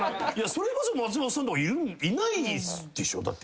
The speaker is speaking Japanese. それこそ松本さんとかいないでしょ？